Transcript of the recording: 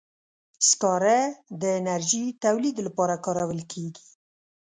سکاره د انرژي تولید لپاره کارول کېږي.